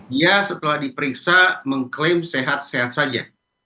dia setelah diperiksa mengklaim sehat sehat saja